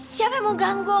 siapa yang mau ganggu